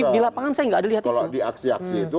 di lapangan saya enggak ada lihat itu